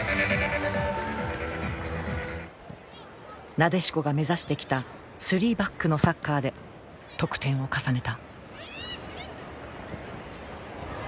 なでしこが目指してきた３バックのサッカーで得点を重ねた。